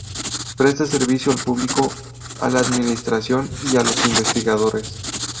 Presta servicio al público, a la administración y a los investigadores.